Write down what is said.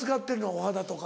お肌とか。